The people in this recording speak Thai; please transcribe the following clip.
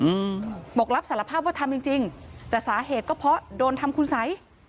อืมบอกรับสารภาพว่าทำจริงจริงแต่สาเหตุก็เพราะโดนทำคุณสัย